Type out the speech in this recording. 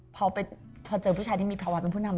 พอเจอผู้ชายที่มีภาวะเป็นผู้นำ